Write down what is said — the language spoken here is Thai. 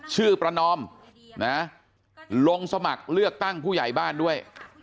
ประนอมนะลงสมัครเลือกตั้งผู้ใหญ่บ้านด้วย